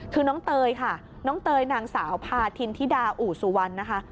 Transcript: คือน้องเตยค่ะน้องเตยนางสาวพาทินธิดาอู่สุวรรณนะคะ